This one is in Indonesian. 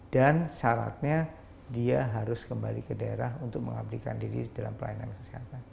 dan syaratnya dia harus kembali ke daerah untuk mengabdikan diri dalam pelayanan kesehatan